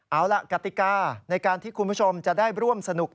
เอาล่ะกติกาในการที่คุณผู้ชมจะได้ร่วมสนุก